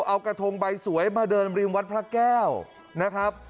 เอากระทงใบสวยมาเดินริมวัดพระแก้วนะครับ